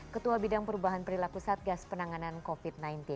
ketua bidang perubahan perilaku satgas penanganan covid sembilan belas